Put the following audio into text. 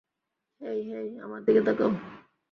হেই, hey, আমার দিকে তাকাও।